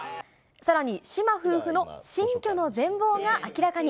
さらに志麻夫婦の新居の全貌が明らかに。